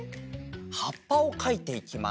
はっぱをかいていきます。